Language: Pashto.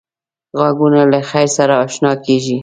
غوږونه له خیر سره اشنا کېږي